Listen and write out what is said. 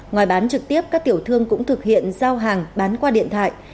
ngoài bán trực tiếp các tiểu thương cũng thực hiện giao hàng bán qua điện thoại